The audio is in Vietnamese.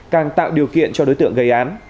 càng tạo điều kiện cho đối tượng gây án